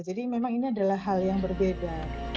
jadi memang ini adalah hal yang berbeda